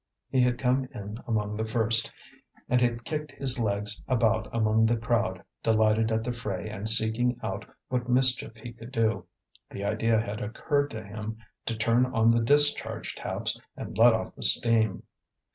He had come in among the first, and had kicked his legs about among the crowd, delighted at the fray and seeking out what mischief he could do; the idea had occurred to him to turn on the discharge taps and let off the steam.